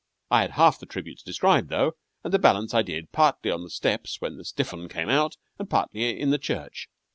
I had half the tributes described, though, and the balance I did partly on the steps when the stiff 'un came out, and partly in the church.